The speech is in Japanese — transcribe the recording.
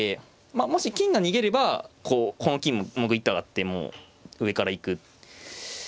もし金が逃げればこうこの金グイッと上がってもう上から行く。